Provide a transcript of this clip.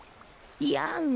いやん。